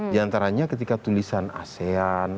diantaranya ketika tulisan asean